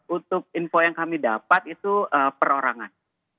untuk info yang kami dapat itu perorangan